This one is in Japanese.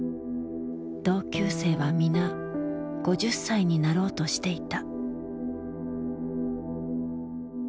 同級生は皆５０歳になろうとしていた。